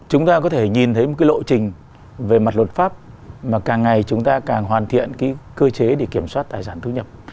chúng ta có thể nhìn thấy một cái lộ trình về mặt luật pháp mà càng ngày chúng ta càng hoàn thiện cái cơ chế để kiểm soát tài sản thu nhập